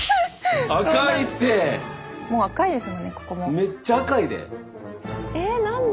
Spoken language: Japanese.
めっちゃ赤いで。